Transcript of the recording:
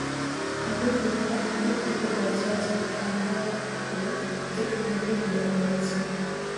আগের দিন তাহিরপুর থেকে বজরায় চেপে টাঙ্গুয়ার হাওর ঘুরে টেকেরঘাটে ডেরা গেড়েছি।